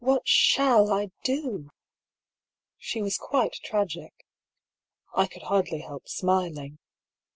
What shall I do ?" She was quite tragic. I could hardly help smiling.